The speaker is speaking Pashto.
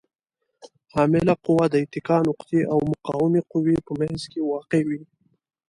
عامله قوه د اتکا نقطې او مقاومې قوې په منځ کې واقع وي.